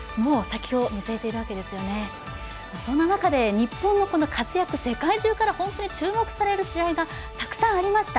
日本の活躍、世界中から注目される試合がたくさんありました。